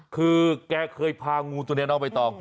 คือแกเคยพางูจุนแรนออกไปต่อง